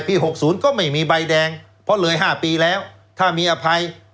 ปีหกศูนย์ก็ไม่มีใบแดงเพราะเลยห้าปีแล้วถ้ามีอภัย